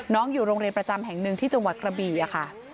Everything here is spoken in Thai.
อยู่โรงเรียนประจำแห่งหนึ่งที่จังหวัดกระบี่ค่ะ